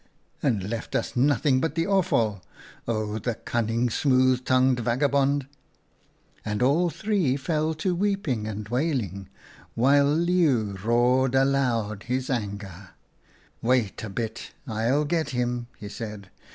' And left us nothing but the offal. Oh, the cunning, smooth tongued vagabond !'" And all three fell to weeping and wailing, while Leeuw roared aloud in his anger. "' Wait a bit, I'll get him,' he said.